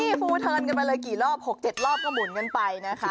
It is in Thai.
นี่ฟูเทิร์นกันไปเลยกี่รอบ๖๗รอบก็หมุนกันไปนะคะ